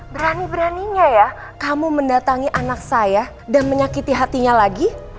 berani beraninya ya kamu mendatangi anak saya dan menyakiti hatinya lagi